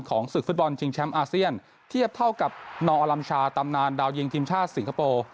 ศึกฟุตบอลชิงแชมป์อาเซียนเทียบเท่ากับนอลัมชาตำนานดาวยิงทีมชาติสิงคโปร์